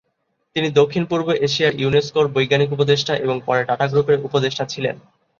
তিনি দক্ষিণ পূর্ব এশিয়ার ইউনেস্কোর বৈজ্ঞানিক উপদেষ্টা এবং পরে টাটা গ্রুপের উপদেষ্টা ছিলেন।